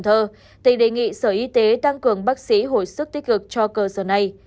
tỉnh đề nghị sở y tế tăng cường bác sĩ hồi sức tích cực cho cơ sở này